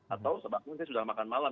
atau sebabnya saya sudah makan malam